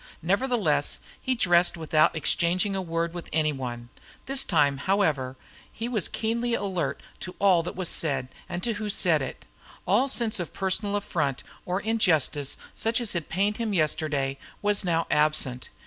Nevertheless he dressed without exchanging a word with any one. This time, however, he was keenly alert to all that was said and to who said it. All sense of personal affront or injustice, such as had pained him yesterday, was now absent.